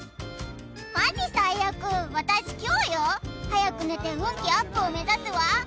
マジ最悪私凶よ！早く寝て運気アップを目指すわ！